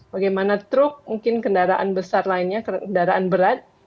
bagaimana truk mungkin kendaraan besar lainnya kendaraan berat